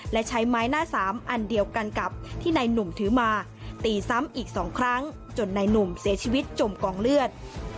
และใช้ไม้หน้าสามอันเดียวกันกับที่นายหนุ่มถือมาตีซ้ำอีก๒ครั้งจนนายหนุ่มเสียชีวิตจมกองเลือด